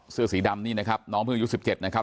เสื้อสีดำนี่นะครับน้องเพิ่งอายุ๑๗นะครับ